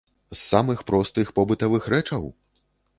З самых простых побытавых рэчаў?